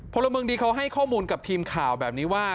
พลเมืองดีเขาให้ข้อมูลกับทีมข่าวแบบนี้ว่า